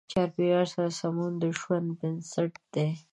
چاپېریال سره سمون د ژوند بنسټ دی.